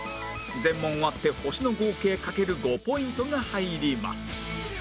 全問終わって星の合計掛ける５ポイントが入ります